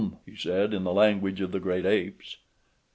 he said, in the language of the great apes.